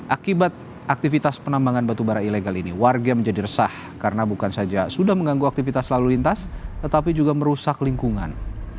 akibat aktivitas penambangan batubara ilegal ini warga menjadi resah karena bukan saja sudah mengganggu aktivitas lalu lintas tetapi juga merusak lingkungan